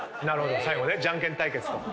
最後ねじゃんけん対決と。